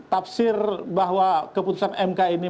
tafsir bahwa keputusan mk ini